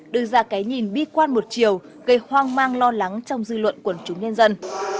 đưa ra cái nhìn bi quan một chiều gây hoang mang lo lắng trong dư luận quần chúng nhân dân